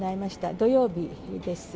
土曜日です。